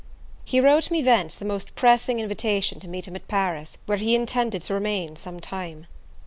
He wrote me thence the most pressing invitation to meet him at Paris, where he intended to remain some time.